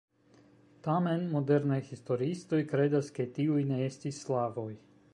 Tamen modernaj historiistoj kredas ke tiuj ne estis slavoj.